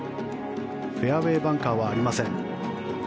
フェアウェーバンカーはありません。